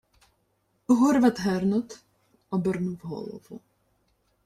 Горват-Гернот обернув голову: